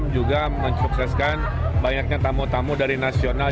juga mensukseskan banyaknya tamu tamu dari nasional